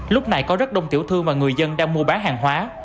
lúc này có rất đông tiểu thư mà người dân đang mua bán hàng hóa